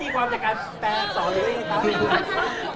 ให้ดีความจากการแฟนยังให้ซัน